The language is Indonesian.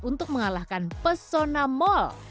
untuk mengalahkan pesona mall